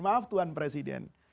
maaf tuhan presiden